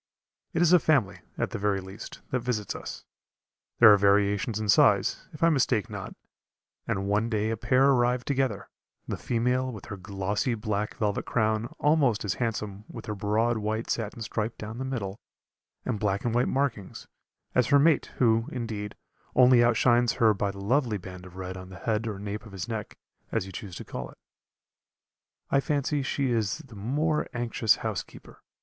It is a family, at the very least, that visits us. There are variations in size, if I mistake not, and one day a pair arrived together; the female with her glossy black velvet crown almost as handsome with her broad white satin stripe down the middle, and black and white markings, as her mate, who, indeed, only outshines her by the lovely band of red on the head or nape of his neck, as you choose to call it. I fancy she is the more anxious housekeeper.